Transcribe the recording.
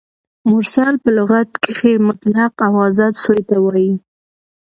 مرسل په لغت کښي مطلق او آزاد سوي ته وايي.